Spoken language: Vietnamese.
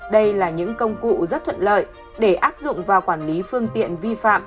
đây là những công cụ rất thuận lợi để áp dụng và quản lý phương tiện vi phạm